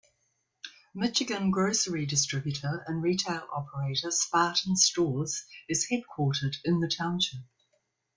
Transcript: Michigan grocery distributor and retail operator Spartan Stores is headquartered in the township.